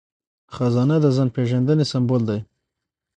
خزانه د ځان پیژندنې سمبول دی.